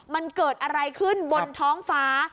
มันเกิดอะไรขึ้นบนท้องฟ้า